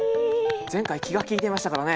前回気が利いていましたからね。